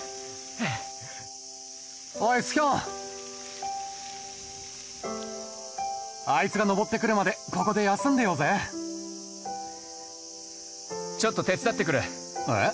はぁおいスヒョンあいつが登ってくるまでここで休んでようぜちょっと手伝ってくるえっ？